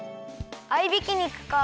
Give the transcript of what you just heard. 合いびき肉か。